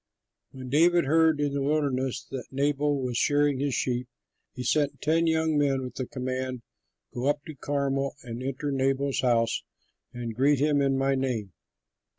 When David heard in the wilderness that Nabal was shearing his sheep, he sent ten young men with the command, "Go up to Carmel and enter Nabal's house and greet him in my name.